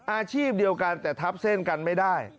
อาชีพเดียวกันแต่ทับเส้นกันไม่ได้